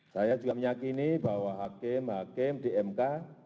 saya juga meyakini bahwa hakim hakim di mk